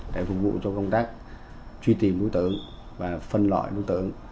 để phục vụ cho công tác truy tìm đối tượng và phân loại đối tượng